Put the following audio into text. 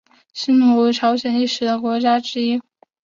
新罗为朝鲜历史上的国家之一。